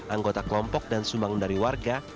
anggota kelompok dan sumbangan dari warga